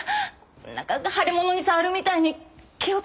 なんか腫れ物に触るみたいに気を使ってて。